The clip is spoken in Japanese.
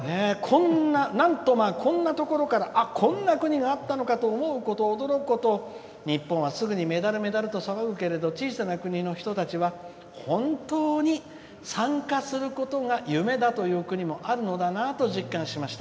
こんなところからこんな国があったのかと驚くほど日本はすぐにメダルメダルと騒ぐけど小さな国の本当に参加することが夢だという国もあるのだなと実感しました。